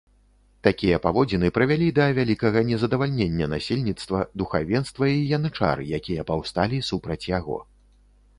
Такія паводзіны прывялі да вялікага незадавальнення насельніцтва, духавенства і янычар, якія паўсталі супраць яго.